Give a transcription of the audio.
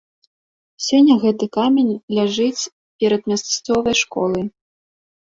Сёння гэты камень ляжыць перад мясцовай школай.